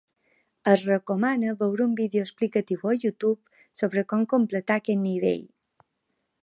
Es recomana veure un vídeo explicatiu a YouTube sobre com completar aquest nivell.